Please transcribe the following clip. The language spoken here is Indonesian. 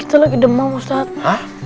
kita lagi demam ustadz